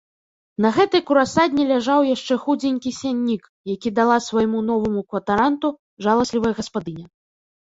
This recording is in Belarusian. На гэтай курасадні ляжаў яшчэ худзенькі сяннік, які дала свайму новаму кватаранту жаласлівая гаспадыня.